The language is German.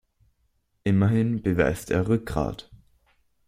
Immerhin beweist er Rückgrat.